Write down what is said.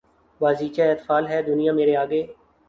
بازیچۂ اطفال ہے دنیا مرے آگے